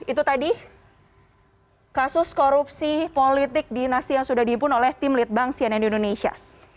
itu tadi kasus korupsi politik dinasti yang sudah diimpun oleh tim litbang cnn indonesia